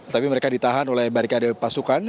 tapi mereka ditahan oleh barikade pasukan